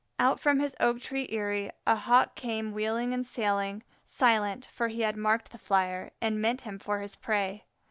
Out from his oak tree eyrie a Hawk came wheeling and sailing, silent, for he had marked the Flyer, and meant him for his prey.